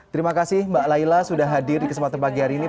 terima kasih mbak layla sudah hadir di kesempatan pagi hari ini